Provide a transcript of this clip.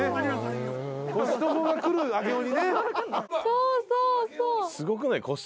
そうそうそう。